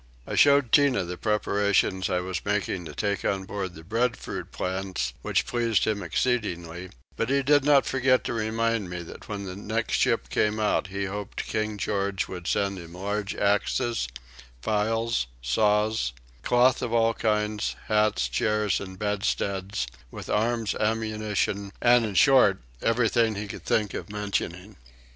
I showed Tinah the preparations I was making to take on board the breadfruit plants which pleased him exceedingly, but he did not forget to remind me that when the next ship came out he hoped King George would send him large axes, files, saws, cloth of all kinds, hats, chairs, and bedsteads, with arms, ammunition, and in short everything he could think of mentioning.